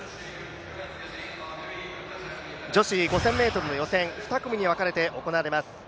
女子５０００ｍの予選、２組に分かれて行われます。